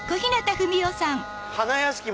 花やしき